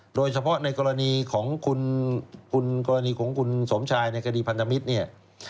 โดยเฉพาะในกรณีของคุณกรณีของคุณสมชายในคดีพันธมิตรเนี่ย